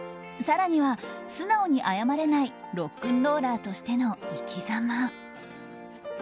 更には、素直に謝れないロックンローラーとしての生きざま。